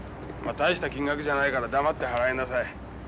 大した金額じゃないから黙って払いなさい。